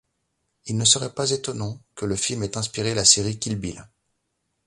Il ne serait pas étonnant que le film ait inspiré la série Kill Bill.